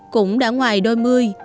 cũng đã ngoài đôi mươi